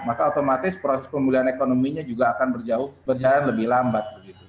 maka otomatis proses pemulihan ekonominya juga akan berjalan lebih lambat